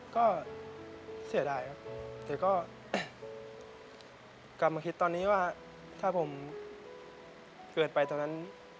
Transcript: ก็เสียดายครับแต่ก็กลับมาคิดตอนนี้ว่าถ้าผมเกิดไปตอนนั้น